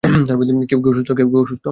কেউ কি অসুস্থ?